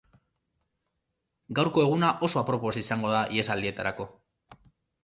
Gaurko eguna oso aproposa izango da ihesaldietarako.